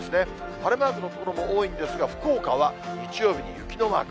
晴れマークの所も多いんですが、福岡は日曜日に雪のマーク。